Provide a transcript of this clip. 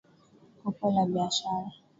Kopo la biashara.